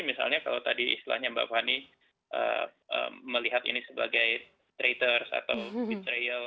misalnya kalau tadi istilahnya mbak fani melihat ini sebagai traitors atau betrayal